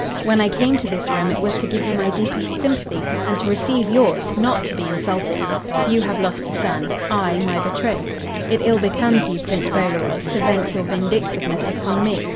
When I came to this room it was to give you my deepest sympathy and to receive yours, not to be insulted. You have lost a son, I my betrothed. It ill becomes you, Prince Bolaroz, to vent your vindictiveness upon me.